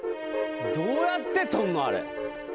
どうやって取んのあれ。